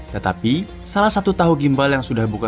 tetapi salah satu tahu gimbal yang sudah buka